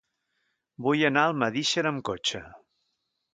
Vull anar a Almedíxer amb cotxe.